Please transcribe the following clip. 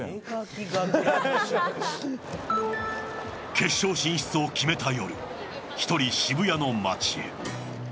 決勝進出を決めた夜１人、渋谷の街へ。